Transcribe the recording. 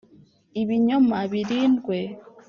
ibinyoma birindwe.